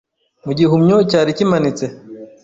mu gihumyo cyari kimanitse